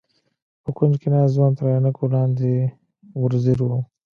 په کونج کې ناست ځوان تر عينکو لاندې ور ځير و.